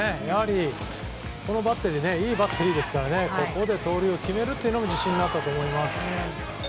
やはりこのバッテリーはいいバッテリーですからここで盗塁を決めたのは自信になったと思います。